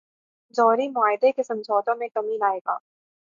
جوہری معاہدے کے سمجھوتوں میں کمی لائے گا۔